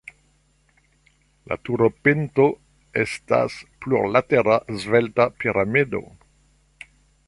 La turopinto estas plurlatera svelta piramido.